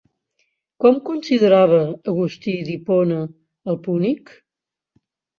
Com considerava Agustí d'Hipona el púnic?